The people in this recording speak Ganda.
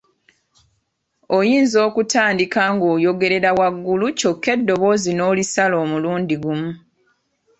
Oyinza okutandika ng'oyogerera waggulu kyokka eddoboozi n'olisala omulundi gumu.